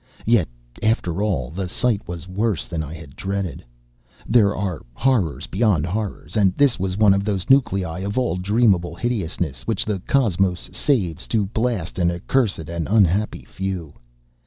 Yet after all, the sight was worse than I had dreaded. There are horrors beyond horrors, and this was one of those nuclei of all dreamable hideousness which the cosmos saves to blast an accursed and unhappy few.